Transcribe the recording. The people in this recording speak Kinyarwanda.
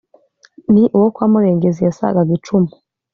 nti: uwo kwa murengezi yasagaga icumu,